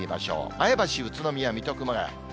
前橋、宇都宮、水戸、熊谷。